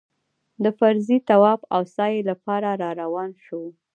د فرضي طواف او سعيې لپاره راروان شوو.